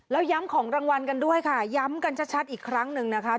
แล้วย้ำของรางวัลกันด้วยค่ะย้ำกันชัดอีกครั้งหนึ่งนะคะ